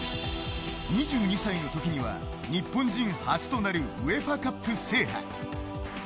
２２歳のときには日本人初となるＵＥＦＡカップ制覇。